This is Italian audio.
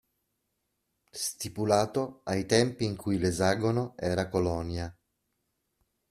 Stipulato ai tempi in cui l'esagono era colonia.